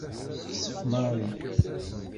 Texsef Mary.